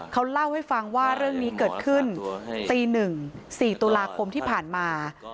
เขาเล่าให้ฟังว่าเรื่องนี้เกิดขึ้นตี๑๔ตุลาคมที่ผ่านมา